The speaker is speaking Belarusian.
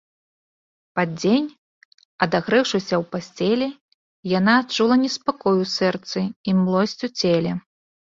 Пад дзень, адагрэўшыся ў пасцелі, яна адчула неспакой у сэрцы і млосць у целе.